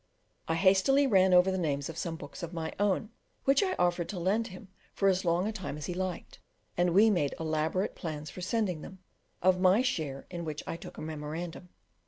I hastily ran over the names of some books of my own, which I offered to lend him for as long a time as he liked: and we made elaborate plans for sending them, of my share in which I took a memorandum.